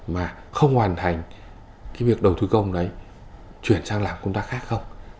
mà không hoàn thành cái việc đầu tư công đấy chuyển sang làm công tác khác không